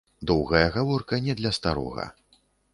Доўгая гаворка не для старога.